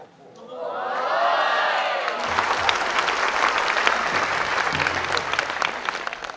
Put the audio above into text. โอ้โฮ